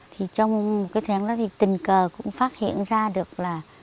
trong một tháng đó thì tình cờ cũng phát hiện ra được là